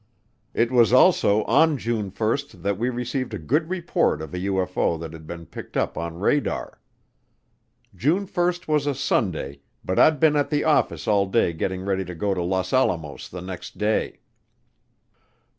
It was also on June 1 that we received a good report of a UFO that had been picked up on radar. June 1 was a Sunday, but I'd been at the office all day getting ready to go to Los Alamos the next day.